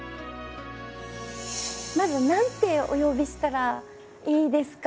まず何てお呼びしたらいいですか？